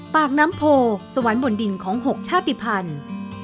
ปากน้ำโพสวรรค์บนดินของ๖ชาติภัณฑ์